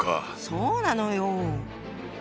そうなのよ！